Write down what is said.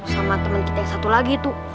sama teman kita yang satu lagi tuh